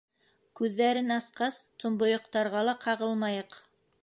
— Күҙҙәрен асҡас, томбойоҡтарға ла ҡағылмайыҡ.